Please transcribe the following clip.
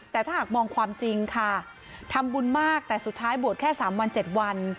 แต่ถ้าหากมองความจริงค่ะทำบุญมากแต่สุดท้ายบวชแค่๓วัน๗วัน